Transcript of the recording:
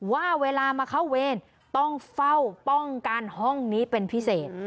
ว่าเวลามาเข้าเวรต้องเฝ้าป้องกันห้องนี้เป็นพิเศษ